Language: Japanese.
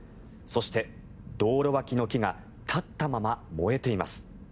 そして道路脇の木が立ったまま燃えています。